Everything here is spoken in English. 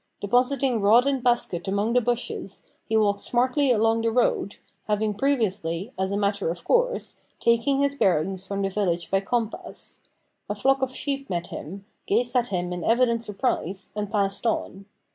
Depositing rod and basket among the bushes, he walked smartly along the road, having previously, as a matter of course, taken his bearings from the village by compass. A flock of sheep met him, gazed at him in evident surprise, and passed on.